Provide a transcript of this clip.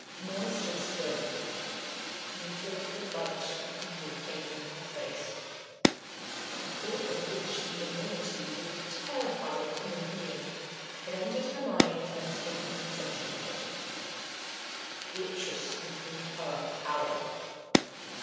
Unorna stood still and an awful light of evil came into her face. A thought of which the enormity would have terrified a common being had entered her mind and taken possession of it. Beatrice was in her power.